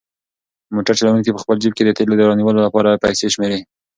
موټر چلونکی په خپل جېب کې د تېلو د رانیولو لپاره پیسې شمېري.